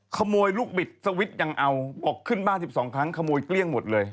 ขโมยลูกบิดสวิตช์ยังเอาออกขึ้นบ้าน๑๒ครั้งขโมยเกลี้ยงหมดเลย